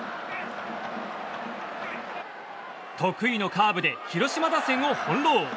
得意のカーブで広島打線を翻弄。